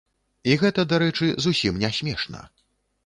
І гэта, дарэчы, зусім не смешна.